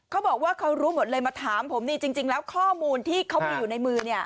เขาบอกว่าเขารู้หมดเลยมาถามผมนี่จริงแล้วข้อมูลที่เขามีอยู่ในมือเนี่ย